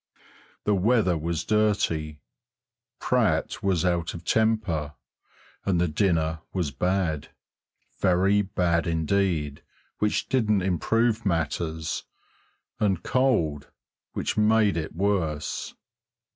The weather was dirty, Pratt was out of temper, and the dinner was bad, very bad indeed, which didn't improve matters, and cold, which made it worse.